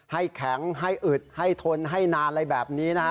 ให้แข็งให้อึดให้ทนให้นานอะไรแบบนี้นะฮะ